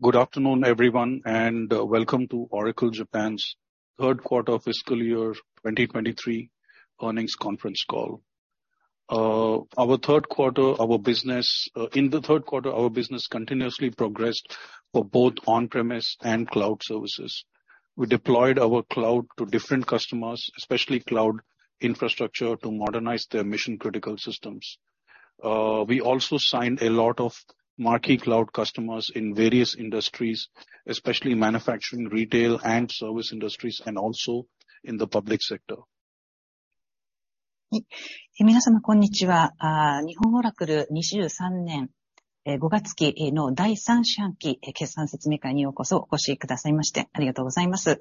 Good afternoon, everyone, and welcome to Oracle Japan's Third Quarter Fiscal Year 2023 Earnings Conference Call. In the third quarter, our business continuously progressed for both on-premise and cloud services. We deployed our cloud to different customers, especially cloud infrastructure, to modernize their mission-critical systems. We also signed a lot of marquee cloud customers in various industries, especially manufacturing, retail, and service industries, and also in the public sector. 皆さま、こんにちは。日本オラクル二十三年五月期の第三四半期決算説明会にようこそお越しくださいましてありがとうございます。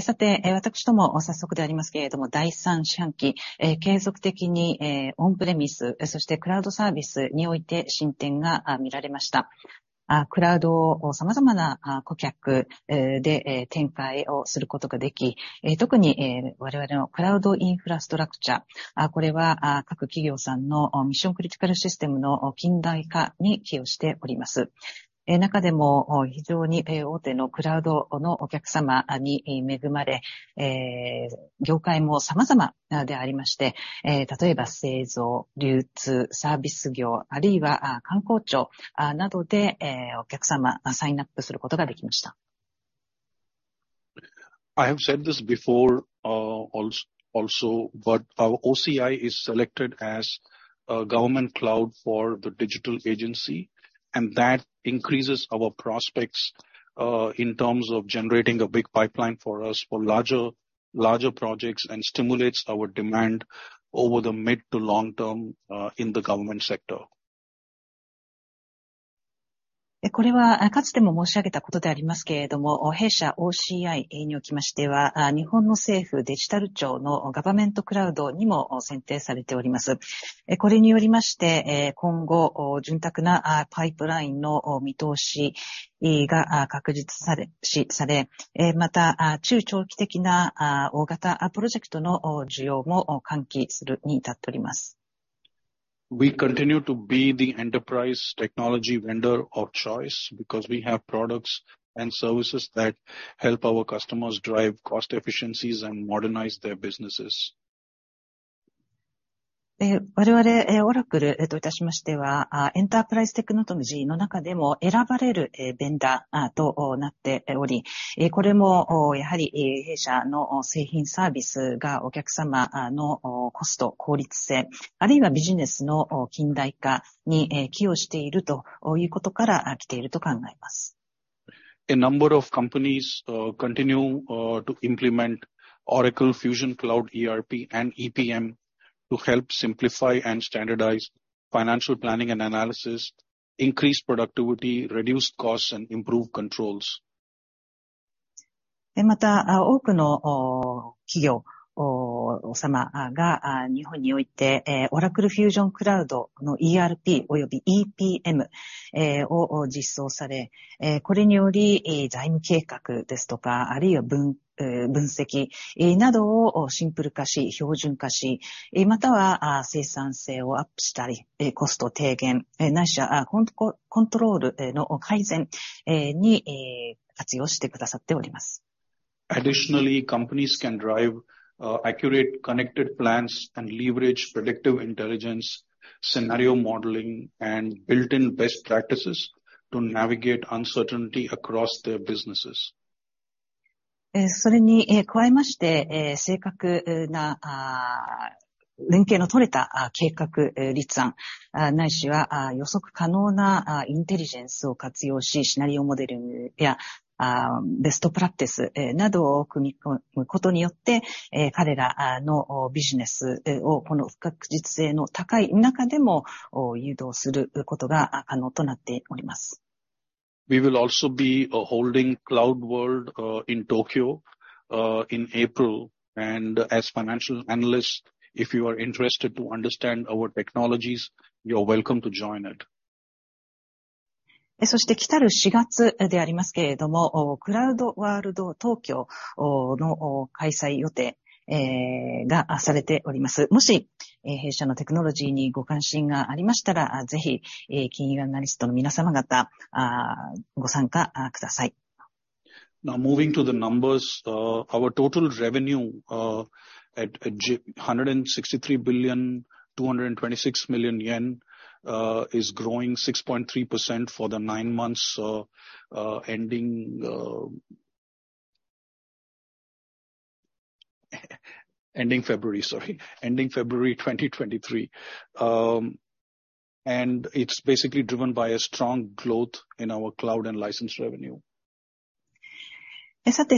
さて、私ども、早速でありますけれども、第三四半期、継続的にオンプレミス、そしてクラウドサービスにおいて進展が見られました。クラウドを様々な顧客で展開をすることができ、特に我々のクラウドインフラストラクチャー、これは各企業さんのミッションクリティカルシステムの近代化に寄与しております。中でも非常に大手のクラウドのお客様に恵まれ、業界も様々でありまして、例えば製造、流通、サービス業、あるいは官公庁などでお客様がサインアップすることができました。I have said this before, also. Our OCI is selected as a Government Cloud for the Digital Agency, and that increases our prospects, in terms of generating a big pipeline for us for larger projects and stimulates our demand over the mid to long term, in the government sector. これはかつても申し上げたことでありますけれども、弊社 OCI におきましては、日本の政府デジタル庁のガバメントクラウドにも選定されております。これによりまして、今後潤沢なパイプラインの見通しが確実視され、また中長期的な大型プロジェクトの需要も喚起するに至っております。We continue to be the enterprise technology vendor of choice because we have products and services that help our customers drive cost efficiencies and modernize their businesses. 我々 Oracle といたしましては、エンタープライズテクノロジーの中でも選ばれるベンダーとなっており、これもやはり弊社の製品サービスがお客様のコスト効率性、あるいはビジネスの近代化に寄与しているということからきていると考えます。A number of companies continue to implement Oracle Fusion Cloud ERP and EPM to help simplify and standardize financial planning and analysis, increase productivity, reduce costs, and improve controls. 多くの企業様が Japan において Oracle Fusion Cloud の ERP および EPM を実装され、これにより財務計画ですとか、あるいは分析などをシンプル化し、標準化し、または生産性をアップしたり、コスト低減ないしはコントロールの改善に活用してくださっております。Additionally, companies can drive accurate connected plans and leverage predictive intelligence, scenario modeling, and built-in best practices to navigate uncertainty across their businesses. それに加えまして、正確な連携の取れた計画立案、ないしは予測可能なインテリジェンスを活用し、シナリオモデルやベストプラクティスなどを組み込むことによって、彼らのビジネスをこの不確実性の高い中でも誘導することが可能となっております。We will also be holding CloudWorld in Tokyo in April. As financial analysts, if you are interested to understand our technologies, you are welcome to join it. そして、来る四月でありますけれども、クラウドワールド東京の開催予定がされております。もし弊社のテクノロジーにご関心がありましたら、ぜひ金融アナリストの皆様方、ご参加ください。Now, moving to the numbers, our total revenue, at JPY 163 billion, JPY 226 million, is growing 6.3% for the nine months ending February, sorry, 2023. It's basically driven by a strong growth in our cloud and license revenue. さて、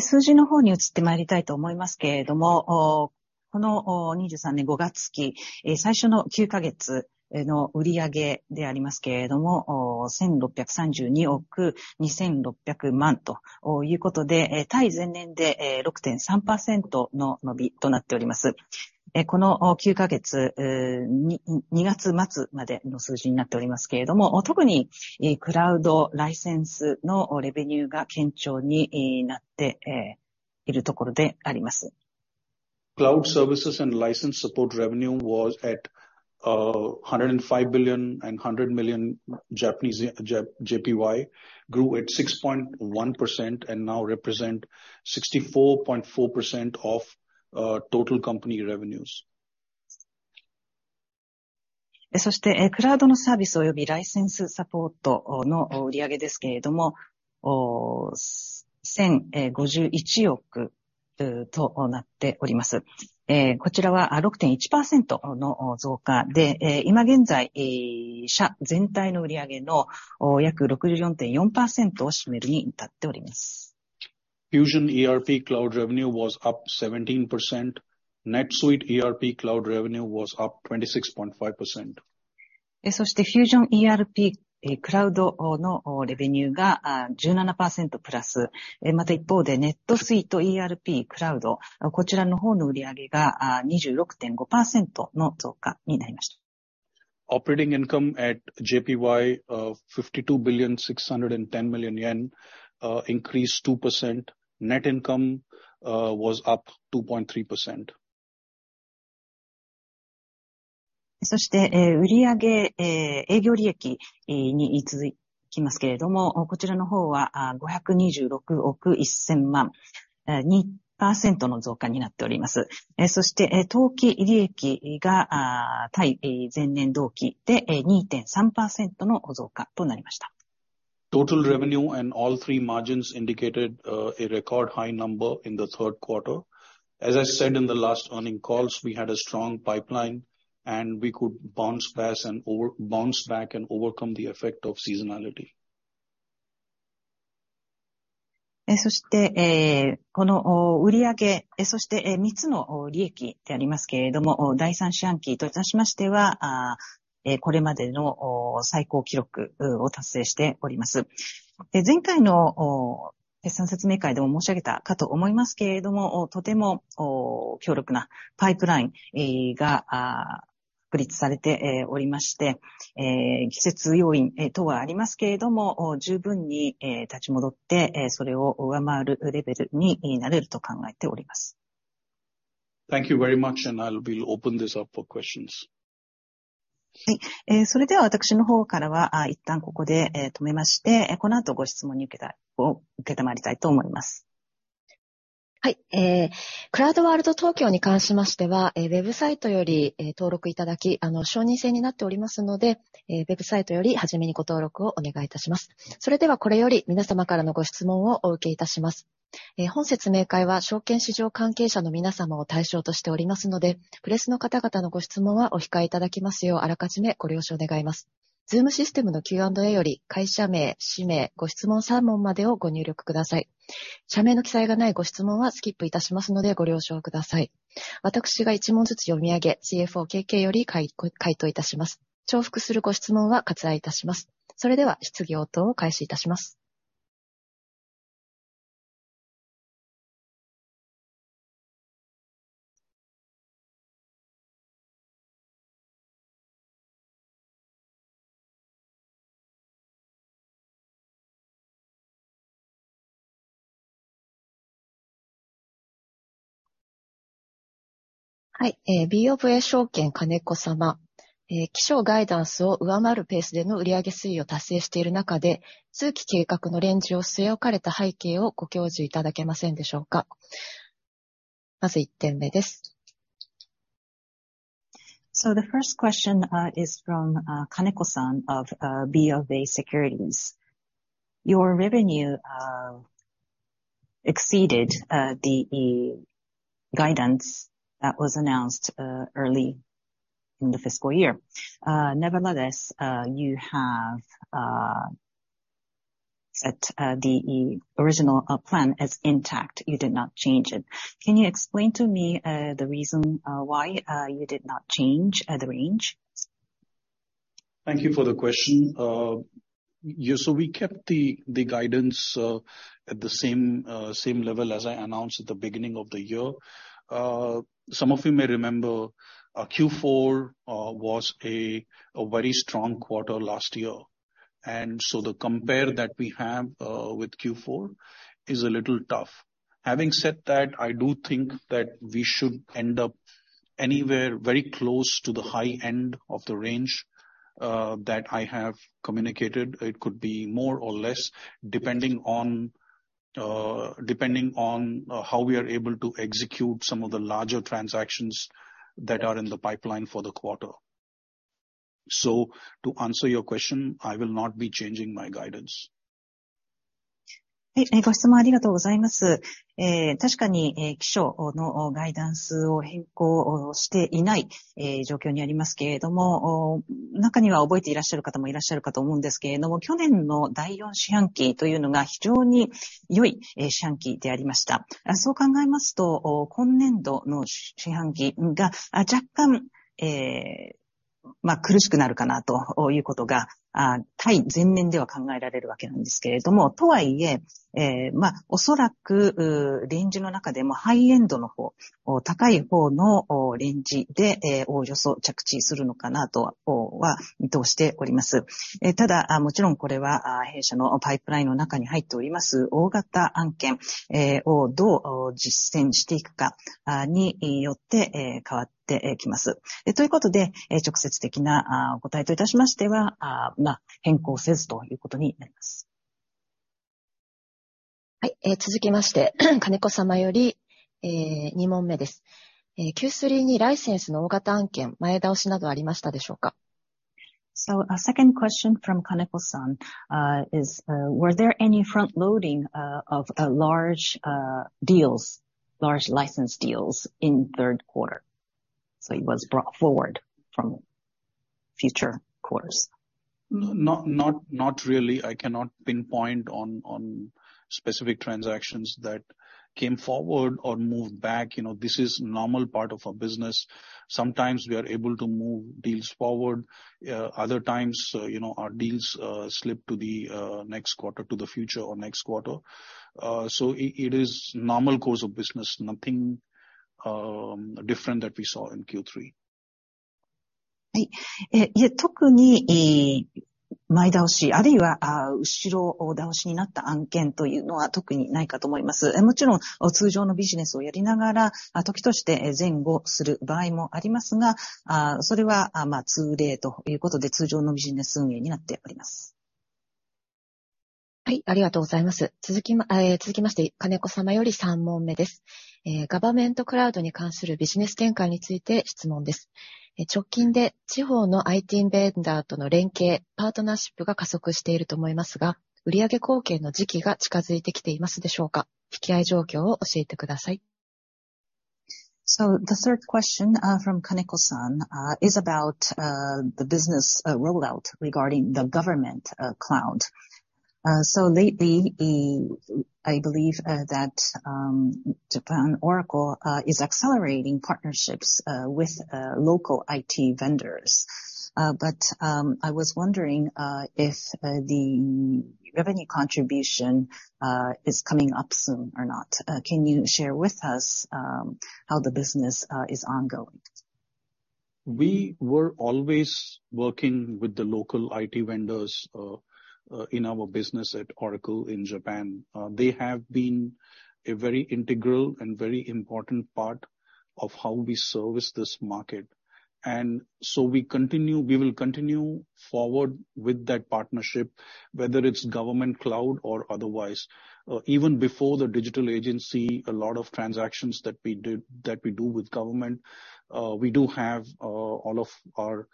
数字の方に移ってまいりたいと思いますけれども、この二十三年五月期、最初の九か月の売上でありますけれども、千六百三十二億二千六百万ということで、対前年で六点三パーセントの伸びとなっております。この九か月、二月末までの数字になっておりますけれども、特にクラウドライセンスのレベニューが堅調になっているところであります。Cloud services and license support revenue was at JPY 105.1 billion, grew at 6.1% and now represent 64.4% of total company revenues. クラウドのサービスおよびライセンスサポートの売上ですけれども、JPY 105.1 billion となっております。こちらは 6.1% の増加で、今現在、社全体の売り上げの約 64.4% を占めるに至っております。Fusion ERP Cloud revenue was up 17%. NetSuite ERP Cloud revenue was up 26.5%. Fusion ERP Cloud のレベニューが 17% プラ ス. 一方で、NetSuite ERP Cloud、こちらの方の売り上げが 26.5% の増加になりまし た. Operating income at JPY 52.61 billion increased 2%. Net income was up 2.3%. 売上、営業利益に続きますけれども、こちらの方は JPY 52.61 billion、2% の増加になっております。当期利益が対前年同期で 2.3% の増加となりました。Total revenue and all three margins indicated, a record high number in the third quarter. As I said in the last earnings calls, we had a strong pipeline and we could bounce back and overcome the effect of seasonality. そして、この売上、そして三つの利益でありますけれども、第三四半期といたしましては、これまでの最高記録を達成しております。前回の決算説明会でも申し上げたかと思いますけれども、とても強力なパイプラインが確立されておりまして、季節要因等はありますけれども、十分に立ち戻って、それを上回るレベルになれると考えております。Thank you very much. We'll open this up for questions. はい。それでは私の方からは一旦ここで止めまして、この後ご質問を受けた-を受けたいと思います。はい。クラウドワールド東京に関しましては、ウェブサイトより登録いただき、あの承認制になっておりますので、ウェブサイトよりはじめにご登録をお願いいたします。それでは、これより皆様からのご質問をお受けいたします。本説明会は、証券市場関係者の皆様を対象としておりますので、プレスの方々のご質問はお控えいただきますようあらかじめご了承願います。ZOOM システムの Q&A より会社名、氏名、ご質問三問までをご入力ください。社名の記載がないご質問はスキップいたしますのでご了承ください。私が一問ずつ読み上げ、CFO KK より回答いたします。重複するご質問は割愛いたします。それでは、質疑応答を開始いたします。はい。BofA証券 金子様。期初ガイダンスを上回るペースでの売上水位を達成している中で、通期計画のレンジを据え置かれた背景をご教授いただけませんでしょうか。まず一点目です。The first question is from Kaneko-san of BofA Securities. Your revenue exceeded the guidance that was announced early in the fiscal year. Nevertheless, you have set the original plan as intact. You did not change it. Can you explain to me the reason why you did not change the range? Thank you for the question. Yes. We kept the guidance at the same level as I announced at the beginning of the year. Some of you may remember, Q4 was a very strong quarter last year, and so the compare that we have with Q4 is a little tough. Having said that, I do think that we should end up anywhere very close to the high end of the range that I have communicated. It could be more or less depending on depending on how we are able to execute some of the larger transactions that are in the pipeline for the quarter. To answer your question, I will not be changing my guidance. はい、ご質問ありがとうございます。確かに期初のガイダンスを変更していない状況にありますけれども、中には覚えていらっしゃる方もいらっしゃるかと思うんですけれども、去年の第4四半期というのが非常に良い四半期でありました。そう考えますと、今年度の四半期が若干苦しくなるかなということが対前面では考えられるわけなんですけれども。とはいえ、おそらくレンジの中でもハイエンドの方、高い方のレンジでおよそ着地するのかなとは見通しております。ただ、もちろんこれは弊社のパイプラインの中に入っております大型案件をどう実践していくかによって変わってきます。ということで、直接的なお答えといたしましては、変更せずということになります。はい、続きまして金子様より、えー二問目です。Q3 にライセンスの大型案件前倒しなどありましたでしょうか。Second question from Kaneko-san, is were there any front loading of large deals, large license deals in third quarter? It was brought forward from future quarters. Not really. I cannot pinpoint on specific transactions that came forward or moved back. You know, this is normal part of our business. Sometimes we are able to move deals forward. Other times, you know, our deals slip to the next quarter to the future or next quarter. It is normal course of business. Nothing different that we saw in Q3. はい。いえ、特に、前倒しあるいは後ろ倒しになった案件というのは特にないかと思います。もちろん、通常のビジネスをやりながら、時として前後する場合もありますが、それは、まあ通常ということで、通常のビジネス運営になっております。はい、ありがとうございます。続きまして、Kaneko様 より 3問目 です。Government Cloud に関するビジネス展開について質問です。直近で地方の ITベンダー との連携パートナーシップが加速していると思いますが、売上貢献の時期が近づいてきていますでしょうか。引き合い状況を教えてください。The third question from Kaneko-san, is about the business rollout regarding the Government Cloud. Lately, I believe that Oracle Japan is accelerating partnerships with local IT vendors. I was wondering if the revenue contribution is coming up soon or not. Can you share with us how the business is ongoing? We were always working with the local IT vendors in our business at Oracle Japan. They have been a very integral and very important part of how we service this market. We continue, we will continue forward with that partnership, whether it's Government Cloud or otherwise. Even before the Digital Agency, a lot of transactions that we do with government, we do have all of our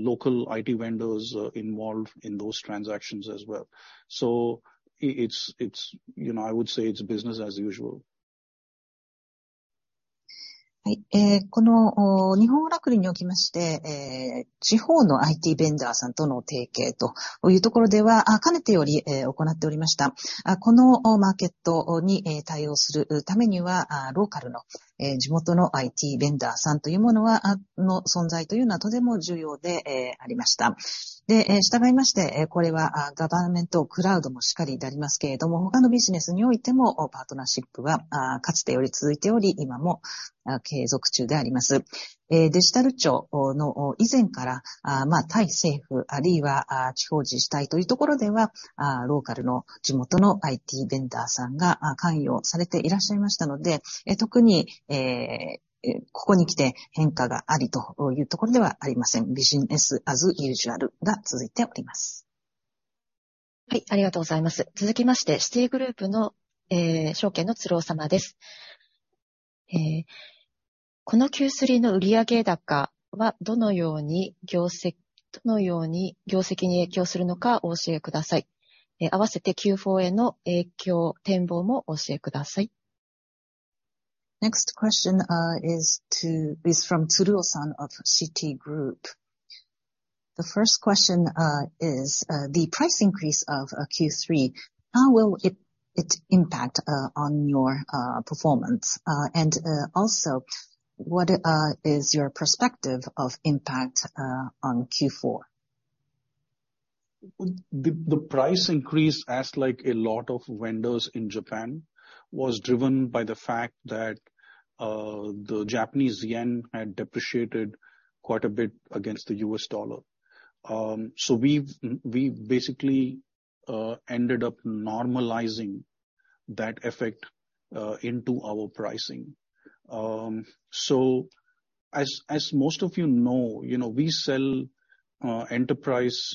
local IT vendors involved in those transactions as well. It's you know, I would say it's business as usual. はい。えーこの日本オラクルにおきまして、えー地方の IT ベンダーさんとの提携というところでは、かねてより行っておりました。このマーケットに対応するためには、ローカルの地元の IT ベンダーさんというものは、の存在というのはとても重要でありました。で、したがいまして、これはガバメントクラウドもしかりでありますけれども、他のビジネスにおいてもパートナーシップはかつてより続いており、今も継続中であります。えーデジタル庁の以前から、あーまあ対政府、あるいは地方自治体というところでは、あーローカルの地元の IT ベンダーさんが関与されていらっしゃいましたので、特に、えーここにきて変化がありというところではありません。Business as usual が続いております。はい、ありがとうございます。続きまして、シティグループの、えー証券のつるお様です。えーこの Q3 の売上高はどのように業績、どのように業績に影響するのかお教えください。あわせて Q4 への影響、展望も教えください。Next question is from Tsuruo-san of Citigroup. The first question is the price increase of Q3. How will it impact on your performance? Also what is your perspective of impact on Q4? The price increase as like a lot of vendors in Japan was driven by the fact that the Japanese yen had depreciated quite a bit against the U.S. dollar. We've, we basically ended up normalizing that effect into our pricing. As, as most of you know, you know, we sell enterprise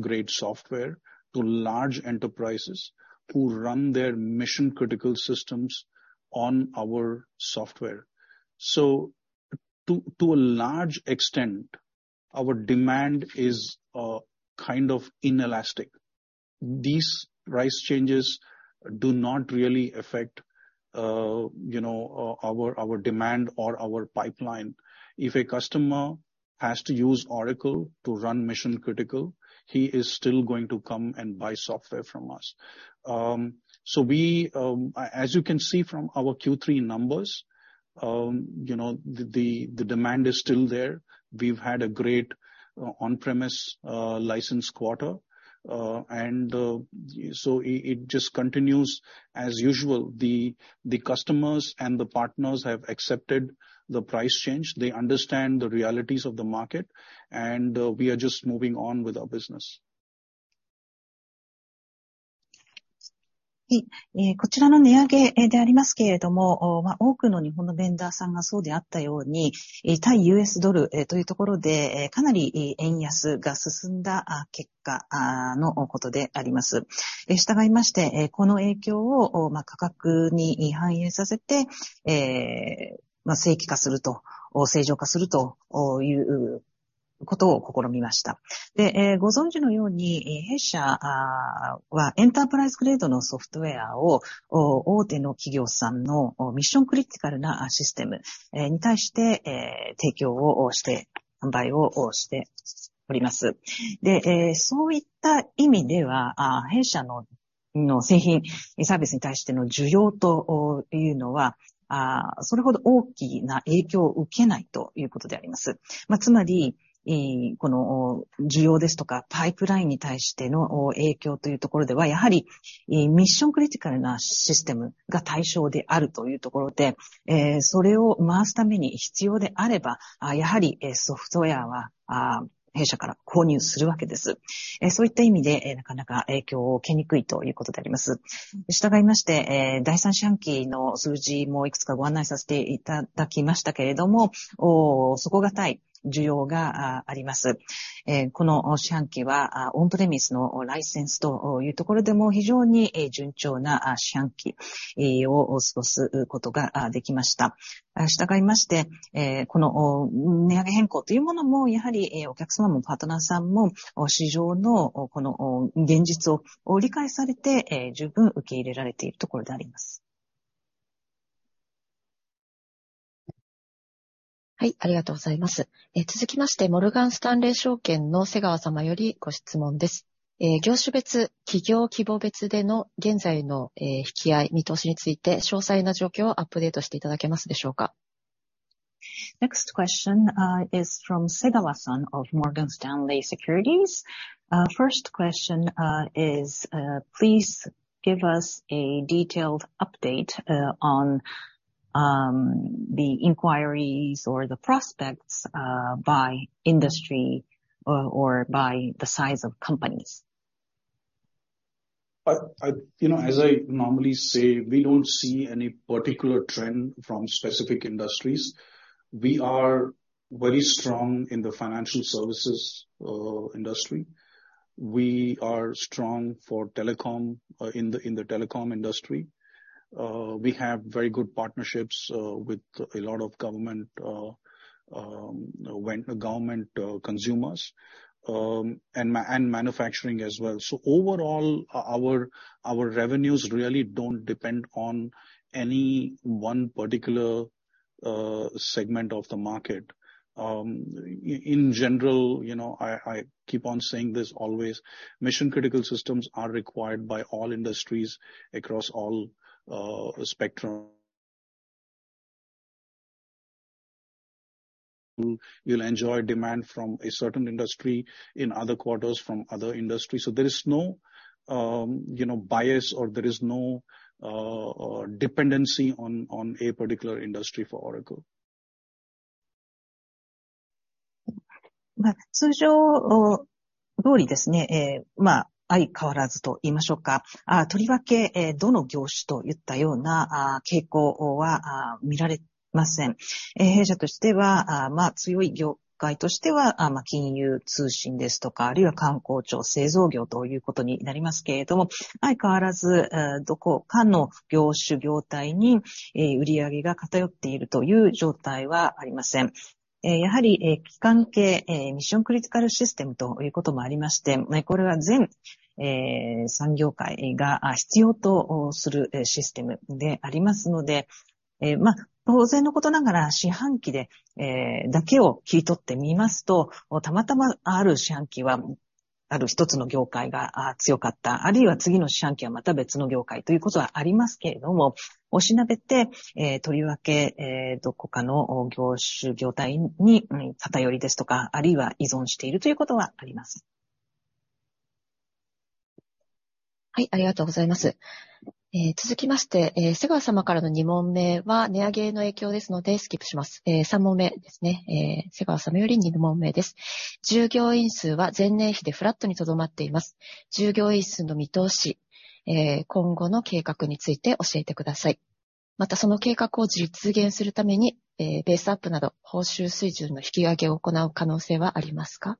grade software to large enterprises who run their mission critical systems on our software. To, to a large extent, our demand is kind of inelastic. These price changes do not really affect, you know, our demand or our pipeline. If a customer has to use Oracle to run mission critical, he is still going to come and buy software from us. We, as you can see from our Q3 numbers, you know, the demand is still there. We've had a great on-premise license quarter. It just continues as usual. The customers and the partners have accepted the price change. They understand the realities of the market, and we are just moving on with our business. はい。えーこちらの値上げでありますけれども、多くの日本のベンダーさんがそうであったように、対 US ドルというところでかなり円安が進んだ結果。はい、ありがとうございます。続きまして、モルガンスタンレー証券の瀬川様よりご質問です。業種別、企業規模別での現在の引き合い見通しについて、詳細な状況をアップデートしていただけますでしょうか。Next question is from Segawa-san of Morgan Stanley Securities. First question is please give us a detailed update on the inquiries or the prospects by industry or by the size of companies? You know, as I normally say, we don't see any particular trend from specific industries. We are very strong in the financial services industry. We are strong for telecom in the telecom industry. We have very good partnerships with a lot of government, when government consumers, and manufacturing as well. Overall, our revenues really don't depend on any one particular segment of the market. In general, you know, I keep on saying this always mission critical systems are required by all industries across all spectrum. You'll enjoy demand from a certain industry in other quarters from other industries. There is no, you know, bias or there is no dependency on a particular industry for Oracle. 通常通りですね。相変わらずと言いましょうか、とりわけどの業種といったような傾向は見られません。弊社としては、強い業界としては金融、通信ですとか、あるいは官公庁、製造業ということになりますけれども、相変わらずどこかの業種、業態に売り上げが偏っているという状態はありません。やはり基幹系ミッションクリティカルシステムということもありまして、これは全産業界が必要とするシステムでありますので、当然のことながら、四半期でだけを切り取ってみますと、たまたまある四半期はある一つの業界が強かった、あるいは次の四半期はまた別の業界ということはありますけれども、押しなべてとりわけどこかの業種、業態に偏りですとか、あるいは依存しているということはありません。はい、ありがとうございます。続きまして、瀬川様からの二問目は値上げの影響ですのでスキップします。三問目ですね。瀬川様より二問目です。従業員数は前年比でフラットにとどまっています。従業員数の見通し、今後の計画について教えてください。また、その計画を実現するためにベースアップなど報酬水準の引き上げを行う可能性はありますか。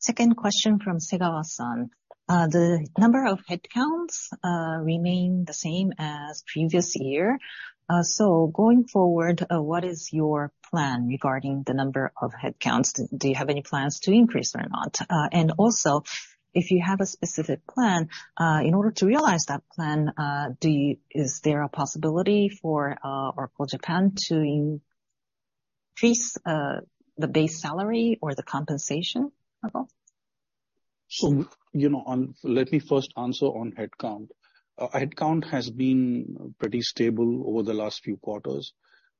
Second question from Segawa-san. The number of headcounts remain the same as previous year. Going forward, what is your plan regarding the number of headcounts? Do you have any plans to increase or not? Also if you have a specific plan in order to realize that plan, is there a possibility for Oracle Japan to increase the base salary or the compensation at all? You know, let me first answer on headcount. Headcount has been pretty stable over the last few quarters.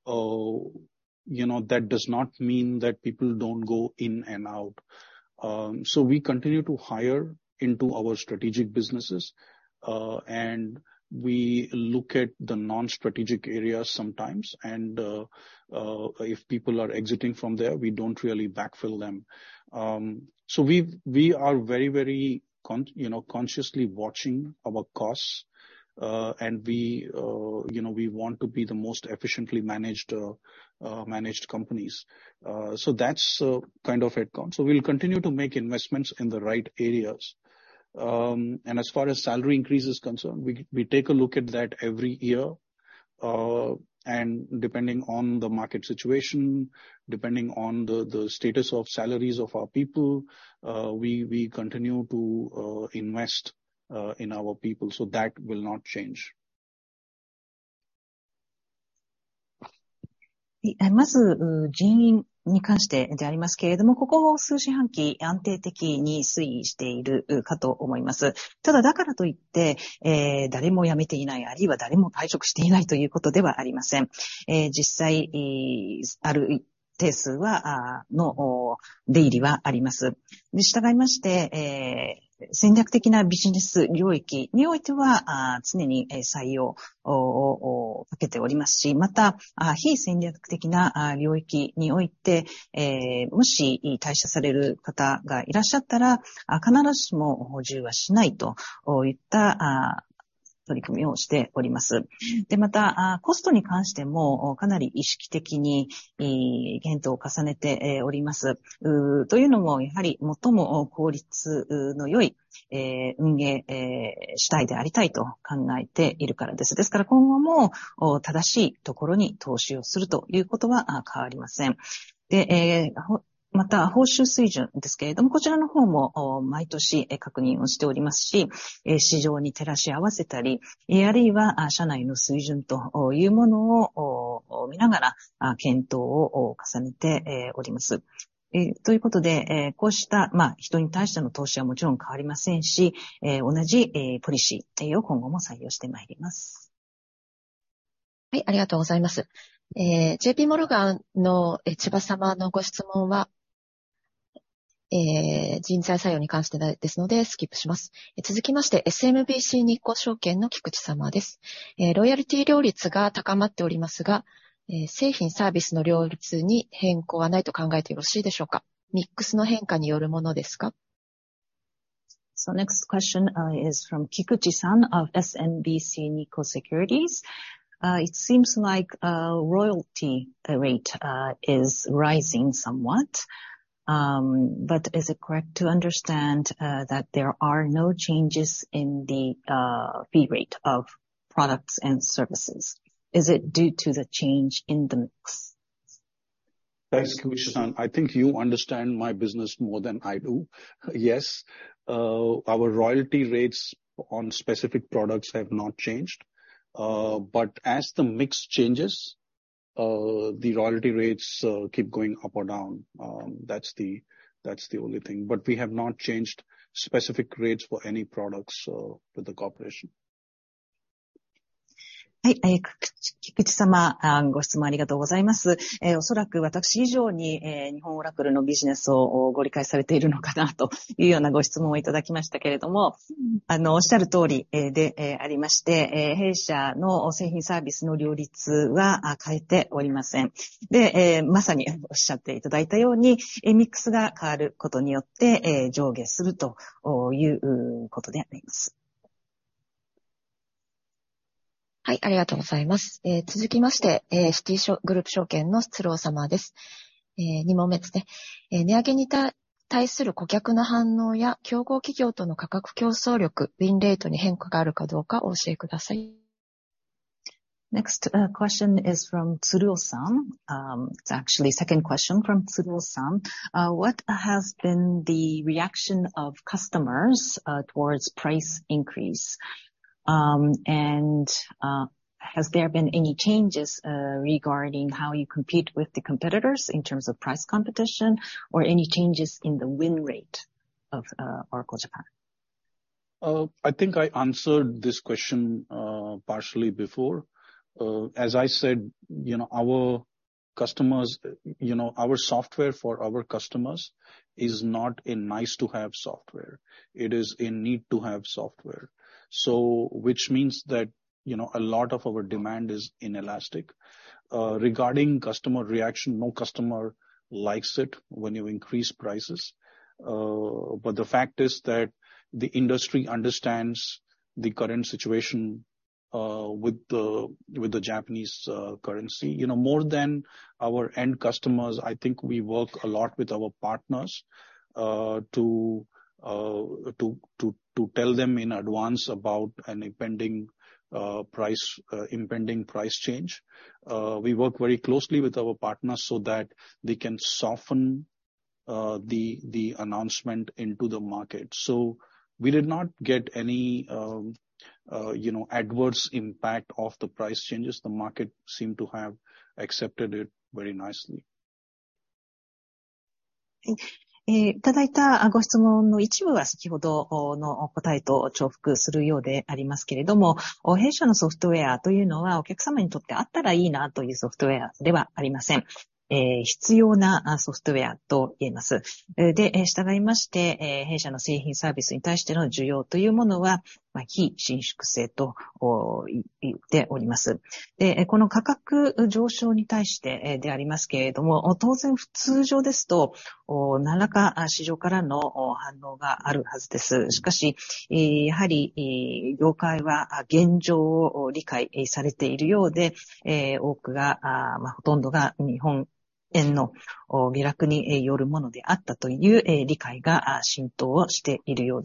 You know, that does not mean that people don't go in and out. We continue to hire into our strategic businesses. We look at the non-strategic areas sometimes. If people are exiting from there, we don't really backfill them. We are very, you know, consciously watching our costs. We, you know, we want to be the most efficiently managed companies. That's kind of headcount. We'll continue to make investments in the right areas. As far as salary increase is concerned, we take a look at that every year. Depending on the market situation, depending on the status of salaries of our people, we continue to invest in our people. That will not change. まず人員に関してでありますけれども、ここ数四半期安定的に推移しているかと思います。ただ、だからといって誰も辞めていない、あるいは誰も退職していないということではありません。実際、ある一定数はの出入りはあります。したがいまして、戦略的なビジネス領域においては常に採用をかけておりますし、また非戦略的な領域において、もし退社される方がいらっしゃったら、必ずしも補充はしないといった取り組みをしております。また、コストに関してもかなり意識的に検討を重ねております。というのも、やはり最も効率の良い運営主体でありたいと考えているからです。ですから、今後も正しいところに投資をするということは変わりません。また、報酬水準ですけれども、こちらの方も毎年確認をしておりますし、市場に照らし合わせたり、あるいは社内の水準というものを見ながら検討を重ねております。ということで、こうした人に対しての投資はもちろん変わりませんし、同じポリシーというのを今後も採用してまいります。はい、ありがとうございます。JP モルガンの千葉様のご質問は人材採用に関してですのでスキップします。続きまして、SMBC 日興証券の菊地様です。ロイヤルティ料率が高まっておりますが、製品サービスの料率に変更はないと考えてよろしいでしょうか。ミックスの変化によるものですか。The next question is from Kikuchi of SMBC Nikko Securities, it seems like the royalty rating is rising somewhatt, but is it correct to understand that thhere are no changes in the fee rate of products and services? Is it due to change in the mix? Thanks, Kikuchi-san. I think you understand my business more than I do. Yes, our royalty rates on specific products have not changed. As the mix changes, the royalty rates keep going up or down. That's the only thing. We have not changed specific rates for any products with the corporation. 菊地様、ご質問ありがとうございます。おそらく私以上に日本オラクルのビジネスをご理解されているのかなというようなご質問をいただきましたけれども、おっしゃるとおりでありまして、弊社の製品サービスの料率は変えておりません。まさにおっしゃっていただいたように、ミックスが変わることによって上下するということであります。はい、ありがとうございます。続きまして、シティグループ証券の鶴生様です。二問目ですね。値上げに対する顧客の反応や競合企業との価格競争力、ウィンレートに変化があるかどうかをお教えください。Next question is from Tsuruo-san. It's actually second question from Tsuruo-san. Has there been any changes regarding how you compete with the competitors in terms of price competition or any changes in the win rate of Oracle Japan? I think I answered this question partially before. As I said, you know, our customers, you know, our software for our customers is not a nice to have software. It is a need to have software. Which means that, you know, a lot of our demand is inelastic. Regarding customer reaction, no customer likes it when you increase prices. But the fact is that the industry understands the current situation with the Japanese currency, you know, more than our end customers. I think we work a lot with our partners to tell them in advance about an impending price, impending price change. We work very closely with our partners so that they can soften the announcement into the market. We did not get any, you know, adverse impact of the price changes. The market seemed to have accepted it very nicely. いただいたご質問の一部は、先ほどの答えと重複するようでありますけれども、弊社のソフトウェアというのは、お客様にとってあったらいいなというソフトウェアではありません。必要なソフトウェアと言えます。したがいまして、弊社の製品サービスに対しての需要というものは非伸縮性と言っております。この価格上昇に対してでありますけれども、当然通常ですと何らか市場からの反応があるはずです。しかし、やはり業界は現状を理解されているようで、多くがほとんどが日本円の下落によるものであったという理解が浸透をしているよう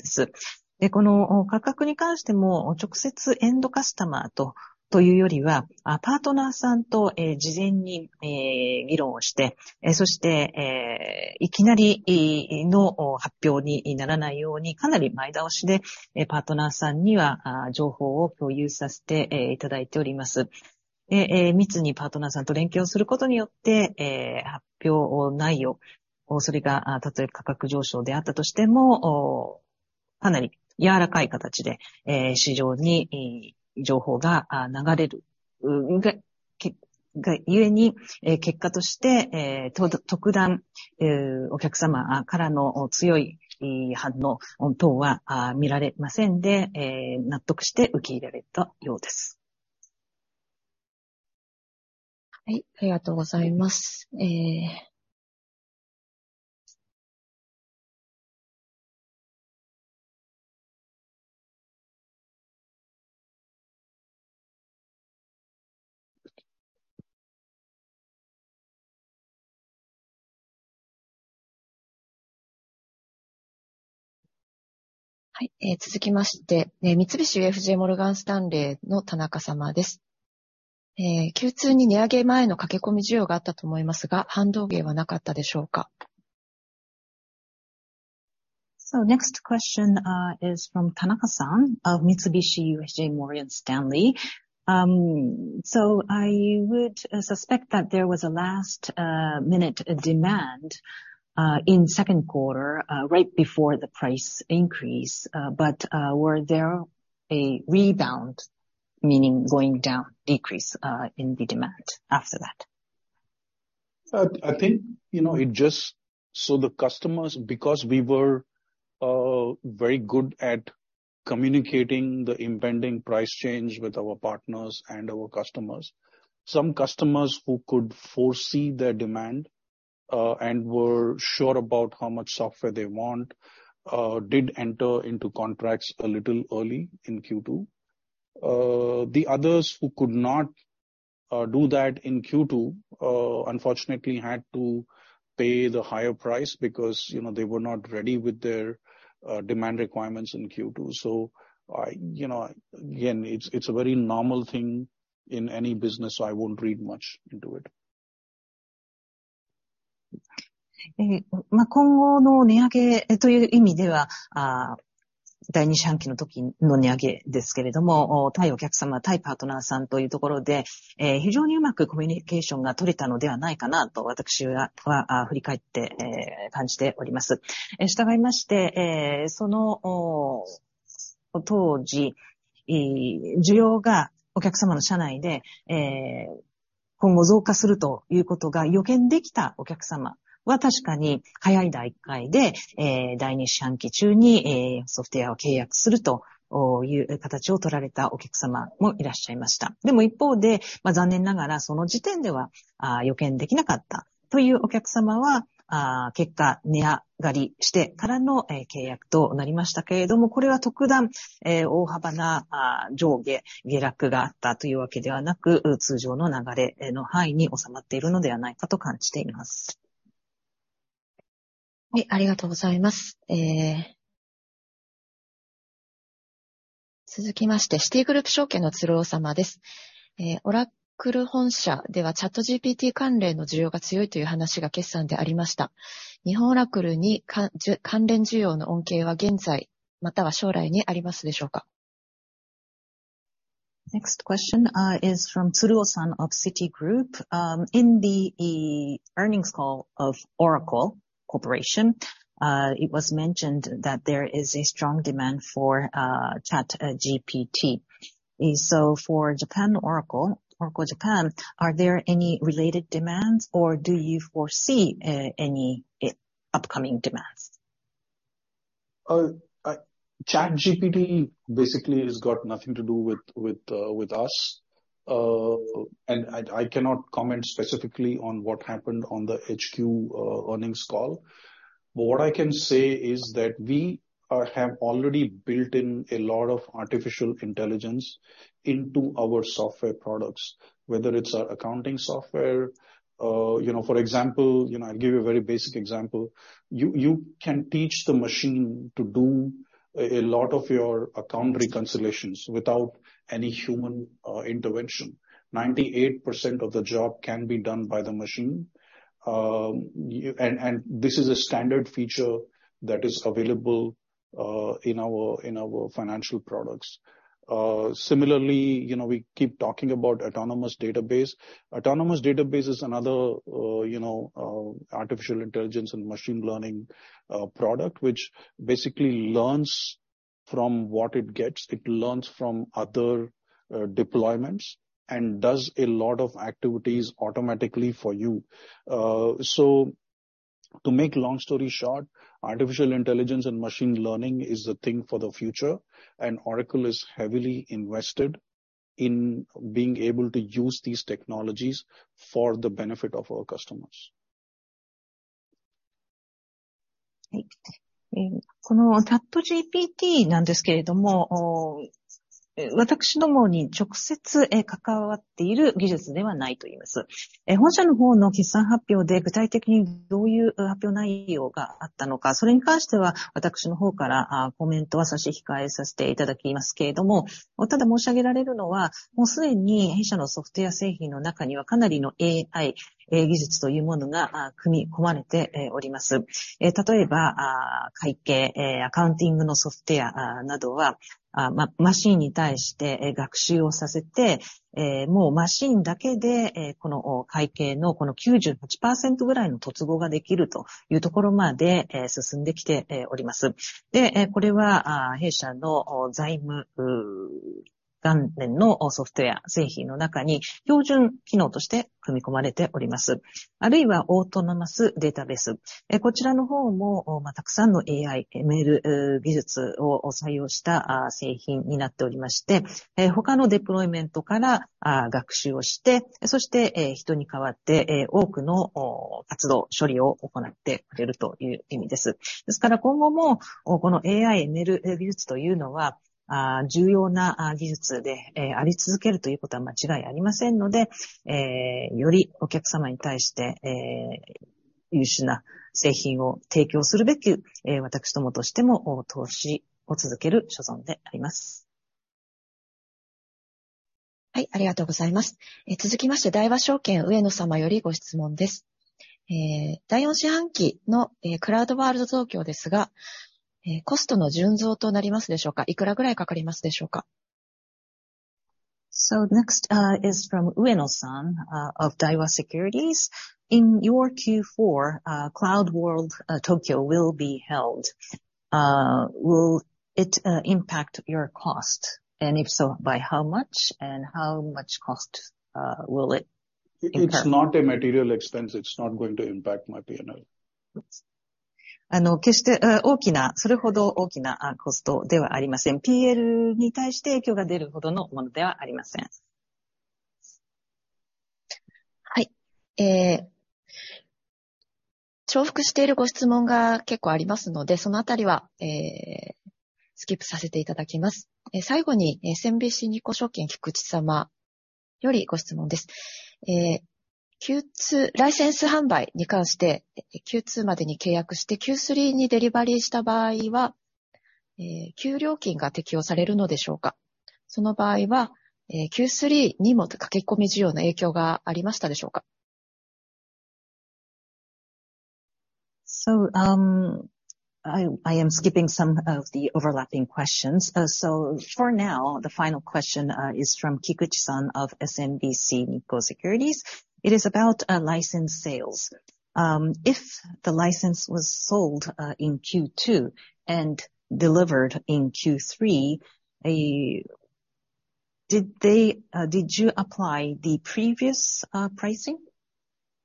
です。この価格に関しても、直接エンドカスタマーとというよりは、パートナーさんと事前に議論をして、そしていきなりの発表にならないように、かなり前倒しでパートナーさんには情報を共有させていただいております。密にパートナーさんと連携をすることによって、発表内容を、それがたとえ価格上昇であったとしても、かなり柔らかい形で市場に情報が流れるが故に、結果として特段お客様からの強い反応等は見られませんで、納得して受け入れられたようです。はい、ありがとうございます。はい、続きまして、三菱 UFJ モルガンスタンレーの田中様です。Q2 に値上げ前の駆け込み需要があったと思いますが、反動減はなかったでしょうか。Next question is from Hideaki Tanaka of Mitsubishi UFJ Morgan Stanley. I would suspect that there was a last minute demand in second quarter right before the price increase. Were there a rebound meaning going down decrease in the demand after that? I think you know it just so the customers because we were very good at communicating the impending price change with our partners and our customers. Some customers who could foresee their demand and were sure about how much software they want did enter into contracts a little early in Q2. The others who could not do that in Q2, unfortunately had to pay the higher price because they were not ready with their demand requirements in Q2. You know, again, it's a very normal thing in any business, so I won't read much into it. 今後の値上げという意味では、第2半期 の時の値上げですけれども、対お客様、対パートナーさんというところで非常にうまくコミュニケーションが取れたのではないかなと私は振り返って感じておりま す. その当時、需要がお客様の社内で今後増加するということが予見できたお客様は、確かに早い段階で 第2四半期 中にソフトウェアを契約するという形を取られたお客様もいらっしゃいまし た. 一方で、残念ながらその時点では予見できなかったというお客様は、結果値上がりしてからの契約となりまし た. これは特段大幅な上下下落があったというわけではなく、通常の流れの範囲に収まっているのではないかと感じていま す. はい、ありがとうございます。続きまして、シティグループ証券のつるお様です。オラクル本社ではチャット GPT 関連の需要が強いという話が決算でありました。日本オラクルに関連需要の恩恵は現在または将来にありますでしょうか。Next question is from Tsuruo-san of Citigroup Global Markets Japan. In the earnings call of Oracle Corporation, it was mentioned that there is a strong demand for ChatGPT. For Oracle Japan, are there any related demands or do you foresee any upcoming demands? ChatGPT basically has got nothing to do with us. I cannot comment specifically on what happened on the HQ earnings call. What I can say is that we have already built in a lot of artificial intelligence into our software products, whether it's our accounting software. You know, for example, you know, I'll give you a very basic example. You can teach the machine to do a lot of your account reconciliations without any human intervention. 98% of the job can be done by the machine. This is a standard feature that is available in our financial products. Similarly, you know, we keep talking about Autonomous Database. Autonomous Database is another, you know, artificial intelligence and machine learning product, which basically learns from what it gets. It learns from other deployments and does a lot of activities automatically for you. To make long story short, artificial intelligence and machine learning is the thing for the future. Oracle is heavily invested in being able to use these technologies for the benefit of our customers. この ChatGPT なんですけれども、私どもに直接関わっている技術ではないと言えます。本社の方の決算発表で具体的にどういう発表内容があったのか、それに関しては私の方からコメントは差し控えさせていただきますけれども、ただ申し上げられるのは、もうすでに弊社のソフトウェア製品の中にはかなりの AI 技術というものが組み込まれております。例えば会計、アカウンティングのソフトウェアなどはマシーンに対して学習をさせて、もうマシーンだけでこの会計の 98% ぐらいの突合ができるというところまで進んできております。これは弊社の財務関連のソフトウェア製品の中に標準機能として組み込まれております。Autonomous Database。こちらの方もたくさんの AI、ML 技術を採用した製品になっておりまして、他のデプロイメントから学習をして、そして人に代わって多くの活動、処理を行ってくれるという意味です。今後もこの AI、ML 技術というのは重要な技術であり続けるということは間違いありませんので、よりお客様に対して優秀な製品を提供するべく、私どもとしても投資を続ける所存であります。はい、ありがとうございます。続きまして、大和証券、上野様よりご質問です。第四四半期のクラウドワールド東京ですが、コストの純増となりますでしょうか。いくらぐらいかかりますでしょうか。So the next question is from Makoto Ueno of Daiwa Securities, in Q4 CloudWorld Tokyo will be held. Will it impact your costs? And if so by how much and what will the costs be? It's not a material expense. It's not going to impact by P&L. はい。重複しているご質問が結構ありますので、その辺はスキップさせていただきます。最後に SMBC日興証券、Kikuchi様 よりご質問です。Q2、ライセンス販売に関して、Q2 までに契約して Q3 にデリバリーした場合は旧料金が適用されるのでしょうか。その場合は Q3 にも駆け込み需要の影響がありましたでしょうか。I am skipping some of the overlapping questions. For now the final question is from Kikuchi-san of SMBC Nikko Securities. It is about license sales. If the license was sold in Q2 and delivered in Q3, did you apply the previous pricing?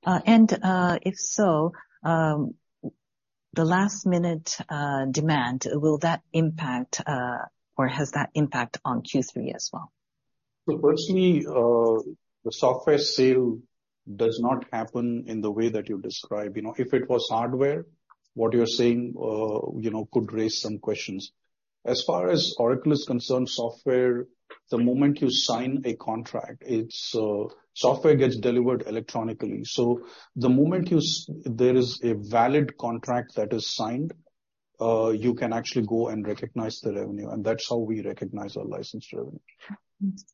If so, the last minute demand, will that impact, or has that impact on Q3 as well? Firstly, the software sale does not happen in the way that you describe. You know, if it was hardware, what you're saying, you know, could raise some questions. As far as Oracle is concerned, software, the moment you sign a contract, it's software gets delivered electronically. The moment you there is a valid contract that is signed, you can actually go and recognize the revenue. That's how we recognize our license revenue.